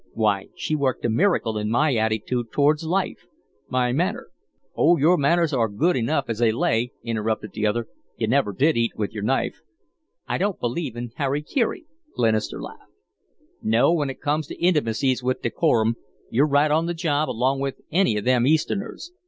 Why, she worked a miracle in my attitude towards life my manner " "Oh, your manners are good enough as they lay," interrupted the other. "You never did eat with your knife." "I don't believe in hara kiri," Glenister laughed. "No, when it comes to intimacies with decorum, you're right on the job along with any of them Easterners.